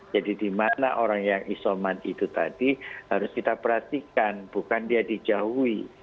jadi di mana orang yang isoman itu tadi harus kita perhatikan bukan dia dijauhi